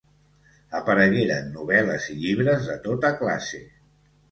Aparegueren novel·les i llibres de tota classe.